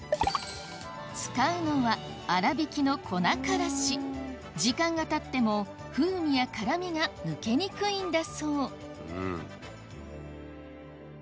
使うのは粗挽きの粉からし時間が経っても風味や辛味が抜けにくいんだそう